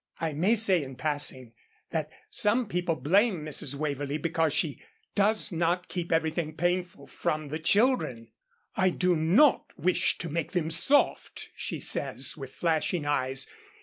I may say, in passing, that some people blame Mrs. Waverlee because she does not keep everything painful from the children. "I do not wish to make them soft," she says with flashing eyes.